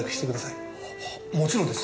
もちろんです！